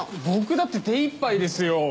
僕だって手いっぱいですよ。